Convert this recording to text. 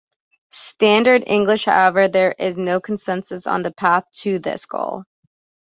Standard English; however, there is no consensus on the path to this goal.